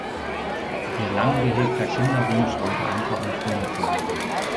Ihr lang gehegter Kinderwunsch wollte einfach nicht in Erfüllung gehen.